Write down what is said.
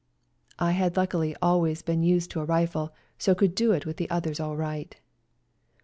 I had luckily always been used to a rifle, so could do it with the others all right.